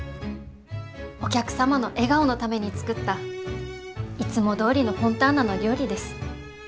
お客様の笑顔のために作ったいつもどおりのフォンターナの料理です。